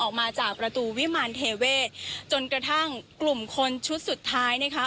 ออกมาจากประตูวิมารเทเวศจนกระทั่งกลุ่มคนชุดสุดท้ายนะคะ